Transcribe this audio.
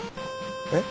えっ？